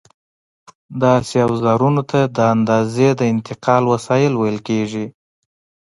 داسې اوزارونو ته د اندازې د انتقال وسایل ویل کېږي.